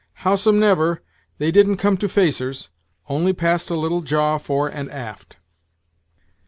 Howsomever, they didn't come to facers, only passed a little jaw fore and aft."